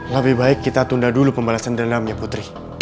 lebih baik kita tunda dulu pembalasan dalamnya putri